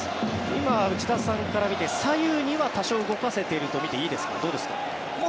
今、内田さんから見て左右に多少、動かせているとみていいですか、どうですか。